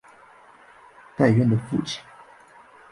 戴渊的父亲。